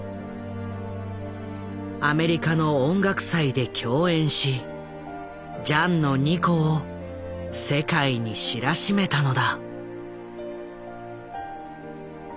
アメリカの音楽祭で共演しジャンの二胡を世界に知らしめたのだ。